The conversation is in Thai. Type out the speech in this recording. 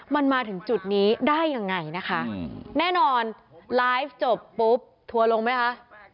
มันมาถึงจุดนี้ได้ยังไงนะคะแน่นอนไลฟ์จบปุ๊บทัวร์ลงไหมคะ